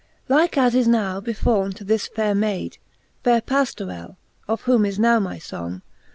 n. Like as is now befalne to this faire Mayd, Faire Pajlorell, of whom is now my fong.